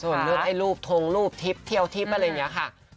ส่วนด้วยให้รูปทรงรูปเทียวทิพย์อะไรอย่างนี้ค่ะ